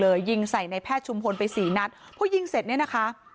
ยิงใส่ในแพทย์ชุมพลไปสี่นัดพอยิงเสร็จเนี่ยนะคะ